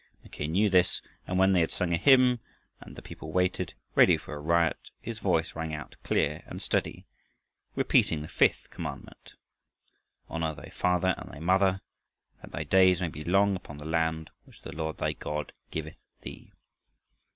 Mackay knew this, and when they had sung a hymn and the people waited, ready for a riot, his voice rang out clear and steady, repeating the fifth commandment "Honor thy father and thy mother: that thy days may be long upon the land which the Lord thy God giveth thee."